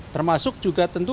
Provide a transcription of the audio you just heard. termasuk juga tentu